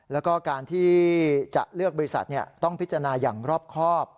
แล้วก็การที่จะเลือกบริษัทต้องพิจารณาอย่างรอบครอบ